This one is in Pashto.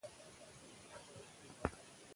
تېر کال د بی بی سي سره په مصاحبه کې